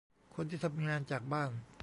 คนที่ทำงานจากบ้าน